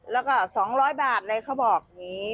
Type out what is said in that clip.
แล้วก็๒๐๐บาทเลยเขาบอกนี้